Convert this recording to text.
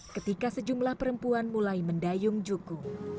ketika sejumlah perempuan mulai mendayung juku